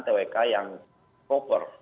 twk yang fokker